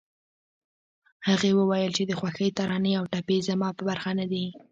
هغې وويل چې د خوښۍ ترانې او ټپې زما په برخه نه دي